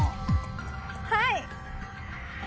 はい！